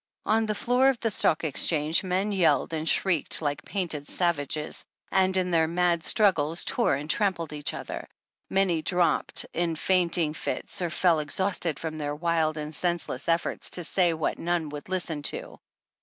On the floor of the Stock Exchange men yelled and shrieked like painted savages, and, in their mad struggles, tore and trampled each other. Many dropped in fainting fits, or fell exhausted from their wild and senseless efforts to say what none would listen to.